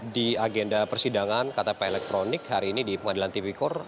di agenda persidangan ktp elektronik hari ini di pengadilan tipikor